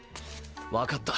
分かった。